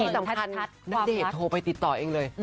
สำคัญณเดชน์โทรไปติดต่อเองเลย